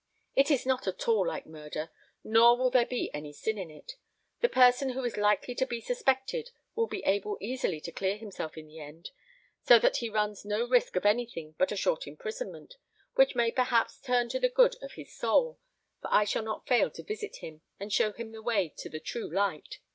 It is not at all like murder, nor will there be any sin in it. The person who is likely to be suspected will be able easily to clear himself in the end; so that he runs no risk of anything but a short imprisonment, which may perhaps turn to the good of his soul, for I shall not fail to visit him, and show him the way to the true light.